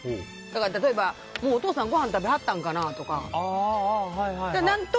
例えばお父さんもうごはん食べはったんかなとか。